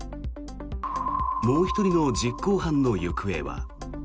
もう１人の実行犯の行方は。